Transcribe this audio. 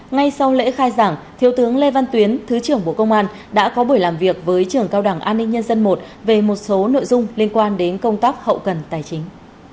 ngay sau lễ khai giảng thiếu tướng lê văn tuyến thứ trưởng bộ công an đã có buổi làm việc với trường cao đảng an ninh nhân dân i về một số nội dung liên quan đến công tác hậu cần tài chính